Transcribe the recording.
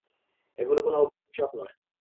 এগুলো কোনো অভিশাপ নয়।